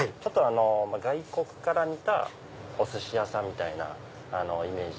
外国から見たお寿司屋さんみたいなイメージ。